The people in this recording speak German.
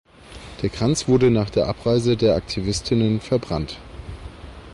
Der Kranz wurde nach der Abreise der Aktivistinnen verbrannt.